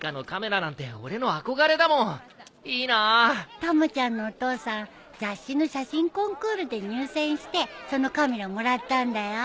たまちゃんのお父さん雑誌の写真コンクールで入選してそのカメラもらったんだよ。